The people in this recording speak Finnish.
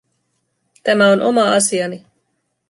Tämä on oma asiani.